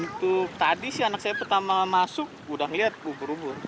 untuk tadi sih anak saya pertama masuk udah ngeliat ubur ubur